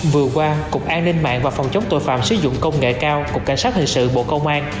vừa qua cục an ninh mạng và phòng chống tội phạm sử dụng công nghệ cao cục cảnh sát hình sự bộ công an